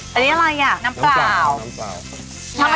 ชานี้แล้วกลับมาอะน้ำเปล่ายังไม่เล่นชานี้หน่อยน้ำเปล่า